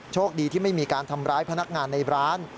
โชคดีที่ไม่มีการทำร้ายพนักงานในร้าน